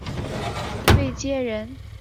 卫玠人。